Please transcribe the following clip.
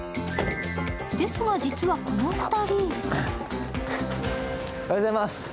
ですが、実はこの２人。